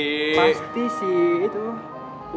pasti sih itu